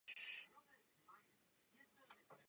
Toto předběžné opatření lze nařídit jen na návrh.